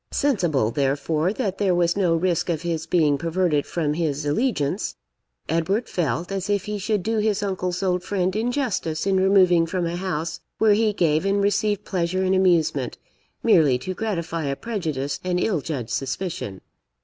Sensible, therefore, that there was no risk of his being perverted from his allegiance, Edward felt as if he should do his uncle's old friend injustice in removing from a house where he gave and received pleasure and amusement, merely to gratify a prejudiced and ill judged suspicion.